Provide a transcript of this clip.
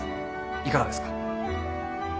いかがですか？